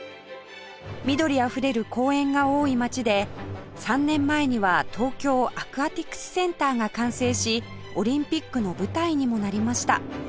緑あふれる公園が多い街で３年前には東京アクアティクスセンターが完成しオリンピックの舞台にもなりました